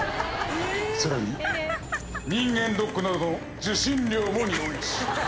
さらに人間ドックなどの受診料も日本一。